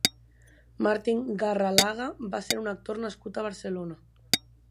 Martin Garralaga va ser un actor nascut a Barcelona.